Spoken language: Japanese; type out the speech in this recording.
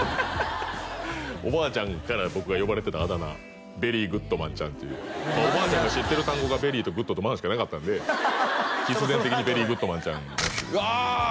おばあちゃんから僕が呼ばれてたあだ名ベリーグッドマンちゃんというおばあちゃんが知ってる単語がベリーとグッドとマンしかなかったんで必然的にベリーグッドマンちゃんその３個でうわ！